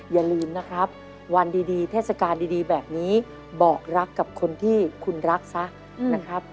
อย่าลืมนะครับวันดีเทศกาลดีแบบนี้บอกรักกับคนที่คุณรักซะนะครับ